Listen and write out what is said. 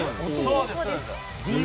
そうです。